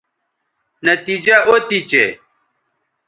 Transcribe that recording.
نتیجہ او تھی چہء